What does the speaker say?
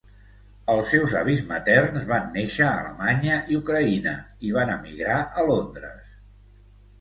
Els seus avis materns van néixer a Alemanya i Ucraïna, i van emigrar a Londres.